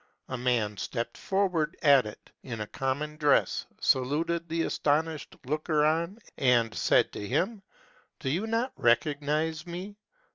A man stepped for ward at it, in a common dress, saluted the astonished looker on, and said to him, " Do you not recognize, jne?